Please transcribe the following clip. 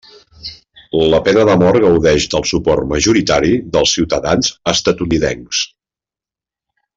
La pena de mort gaudeix del suport majoritari dels ciutadans estatunidencs.